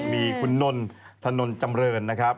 มีคุณนนถนนจำเรินนะครับ